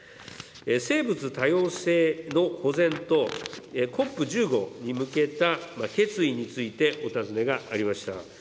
生物多様性の保全と、ＣＯＰ１５に向けた決意についてお尋ねがありました。